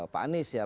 pak anies ya